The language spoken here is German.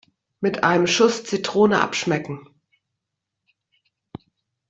Mit einem Schuss Zitrone abschmecken.